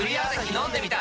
飲んでみた！